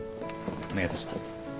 お願いいたします。